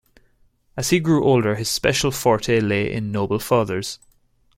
As he grew older his special forte lay in noble fathers.